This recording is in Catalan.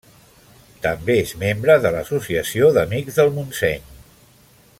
També és membre de l'Associació Amics del Montseny.